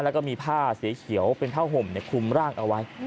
แล้วก็มีผ้าสีเขียวเป็นผ้าห่มคุมร่างเอาไว้